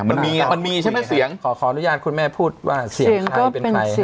มันมีไงมันมีใช่ไหมเสียงขอขออนุญาตคุณแม่พูดว่าเสียงใครเป็นใคร